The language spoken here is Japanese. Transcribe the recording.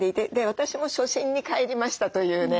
私も初心に帰りました」というね。